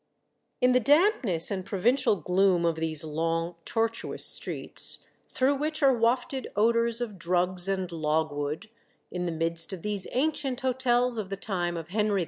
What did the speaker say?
In the dampness and provincial gloom of these long, tortuous streets, through which are wafted odors of drugs and logwood, in the midst of these ancient h6tels of the time of Henry II.